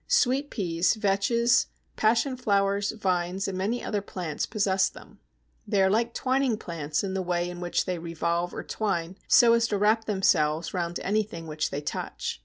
Sweet Peas, Vetches, Passion flowers, Vines, and many other plants possess them. They are like twining plants in the way in which they revolve or twine so as to wrap themselves round anything which they touch.